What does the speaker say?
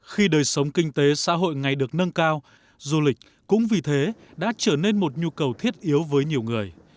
khi đời sống kinh tế xã hội ngày được nâng cao du lịch cũng vì thế đã trở nên một nhu cầu thiết yếu với nhiều người